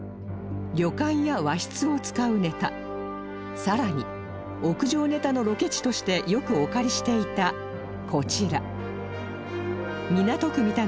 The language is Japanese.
旅館や和室を使うネタさらに屋上ネタのロケ地としてよくお借りしていたこちら